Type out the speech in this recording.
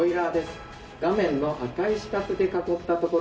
画面の赤い四角で囲ったところです。